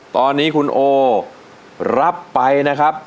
ตอนนี้คุณโอรับไปนะครับ